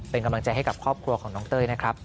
เป็นกำลังใจให้กับครอบครัวของน้องเต้ยนะครับ